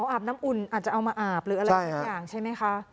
อาบน้ำอุ่นอาจจะเอามาอาบหรืออะไรสักอย่างใช่ไหมคะ